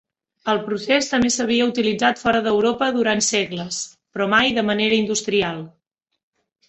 El procés també s'havia utilitzat fora d'Europa durant segles, però mai de manera industrial.